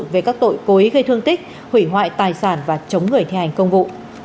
về các tội cô ấy gây thương tích hủy hoại tài sản và chống người thi hành công vụ